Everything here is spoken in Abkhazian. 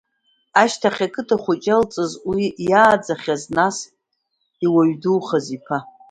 Ашьха қыҭа хәыҷ иалҵыз, уи иааӡахьаз, нас иуаҩ духаз иԥа…